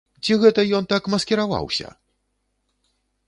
Ці гэта ён так маскіраваўся!?